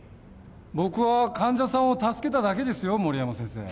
僕は患者さんを助けただけですよ森山先生。